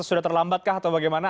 sudah terlambat kah atau bagaimana